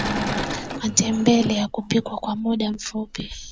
matembele yakupikwe kwa mda mfupi